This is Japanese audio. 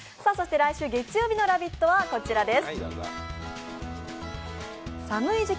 来週月曜日の「ラヴィット！」はこちらです。